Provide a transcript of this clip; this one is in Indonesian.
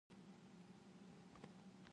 awan menghitam di angkasa